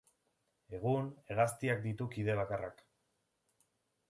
Egun, hegaztiak ditu kide bakarrak.